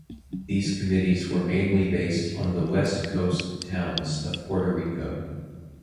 These committees were mainly based on the west coast towns of Puerto Rico.